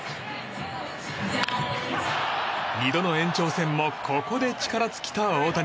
２度の延長戦もここで力尽きた大谷。